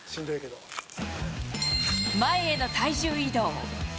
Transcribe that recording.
前への体重移動。